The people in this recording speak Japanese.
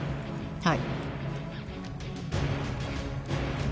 はい。